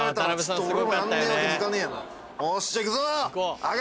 よっしゃ行くぞ！